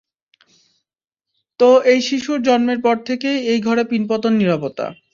তো এই শিশুর জন্মের পর থেকেই এই ঘরে পিনপতন নীরবতা।